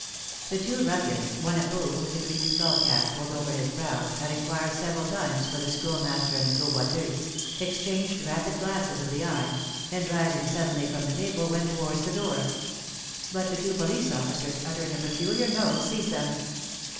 The two ruffians, one of whom, with the Greek skull cap pulled over his brows, had inquired several times for the Schoolmaster and the Gros Boiteux, exchanged rapid glances of the eye, and, rising suddenly from the table, went towards the door; but the two police officers, uttering a peculiar note, seized them.